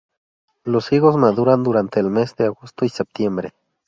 Los higos maduran durante el mes de agosto y septiembre.